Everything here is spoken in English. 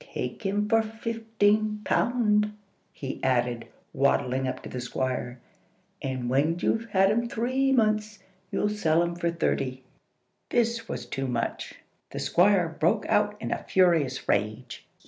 Take him for fifteen pound," he added, waddling up to the Squire, "and when you've had him three months, you'll sell him for thirty." This was too much. The Squire broke out in a furious rage.